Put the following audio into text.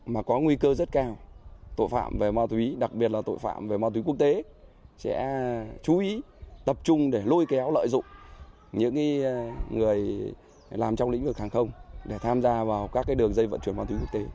mà có nguy cơ rất cao tội phạm về ma túy đặc biệt là tội phạm về ma túy quốc tế sẽ chú ý tập trung để lôi kéo lợi dụng những người làm trong lĩnh vực hàng không để tham gia vào các đường dây vận chuyển ma túy quốc tế